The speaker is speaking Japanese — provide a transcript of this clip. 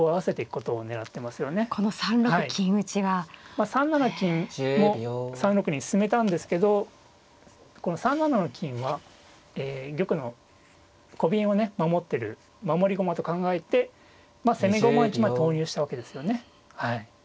まあ３七金も３六に進めたんですけどこの３七の金は玉のコビンをね守ってる守り駒と考えて攻め駒を１枚投入したわけですよね。